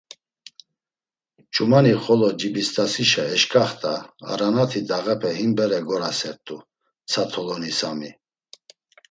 Ç̌umani xolo Cibist̆asişa eşǩaxt̆a aranat̆i dağepe him bere gorasert̆u, mtsa toloni Sami.